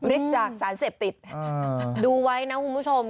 จากสารเสพติดดูไว้นะคุณผู้ชม